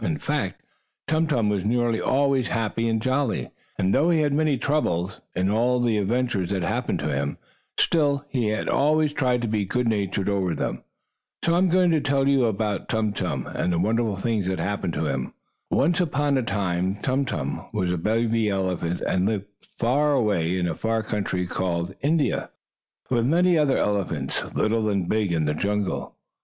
In fact, Tum Tum was nearly always happy and jolly, and, though he had many troubles, in all the adventures that happened to him, still, he always tried to be good natured over them. So I am going to tell you all about Tum Tum, and the wonderful things that happened to him. Once upon a time Tum Tum was a baby elephant, and lived away off in a far country called India, with many other elephants, little and big, in the jungle.